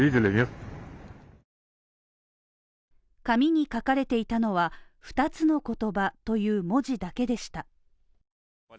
紙に書かれていたのは「２つの言葉」という文字だけでした。